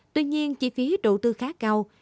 tuy nhiên chi phí đầu tư khá cao